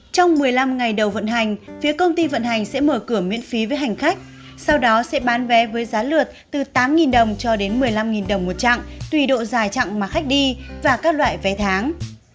trong một mươi năm ngày đầu vận hành phía công ty vận hành sẽ mở cửa miễn phí với hành khách sau đó sẽ bán vé với giá lượt từ tám đồng cho đến một mươi năm đồng một chặng tùy độ dài chặng mà khách đi và các loại vé tháng